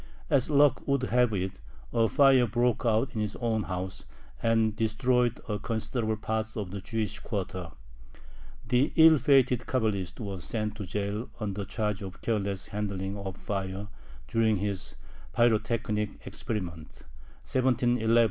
As luck would have it, a fire broke out in his own house, and destroyed a considerable part of the Jewish quarter. The ill fated Cabalist was sent to jail on the charge of careless handling of fire during his pyrotechnic experiments (1711).